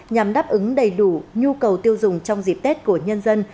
nhằm đáp ứng đầy đủ nhu cầu tiêu dùng trong dịp tết của nhân dân